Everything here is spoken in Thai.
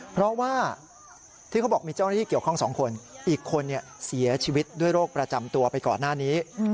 เพราะว่าที่เขาบอกมีเจ้าหน้าที่เกี่ยวข้อง๒คนอีกคนเสียชีวิตด้วยโรคประจำตัวไปก่อนหน้านี้